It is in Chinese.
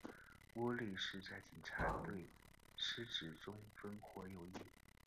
窝利士在警察队司职中锋或右翼。